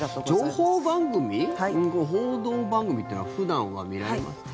情報番組、報道番組っていうのは普段は見られます？